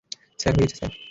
Sir, হয়ে গেছে, sir.